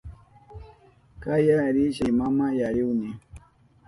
Kaya risha Limama yuyarihuni